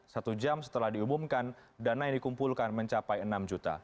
satu jam setelah diumumkan dana yang dikumpulkan mencapai enam juta